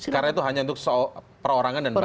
karena itu hanya untuk perorangan dan badan